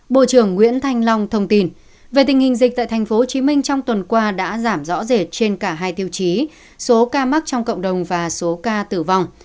bộ trưởng nguyễn thanh long thông tin về tình hình dịch tại tp hcm trong tuần qua đã giảm rõ rệt trên cả hai tiêu chí số ca mắc trong cộng đồng và số ca tử vong